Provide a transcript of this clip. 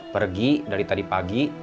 pergi dari tadi pagi